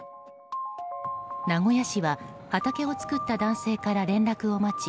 名古屋市は畑を作った男性から連絡を待ち